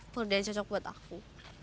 paul daly cocok buat aku